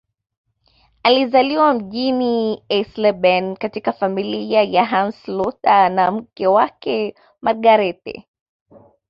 Alizaliwa mjini Eisleben katika familia ya Hans Luther na mke wake Margarethe